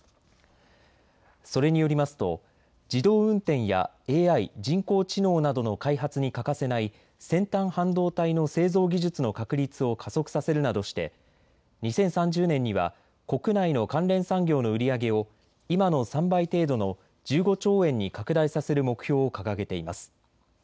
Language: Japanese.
それによりますと自動運転やＡＩ・人工知能などの開発に欠かせない先端半導体の製造技術の確立を加速させるなどして２０３０年には国内の関連産業の売り上げを今の３倍程度の１５兆円に拡大させる目標を掲げています。